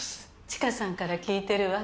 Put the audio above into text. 知花さんから聞いてるわ。